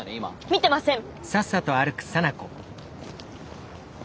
見てません！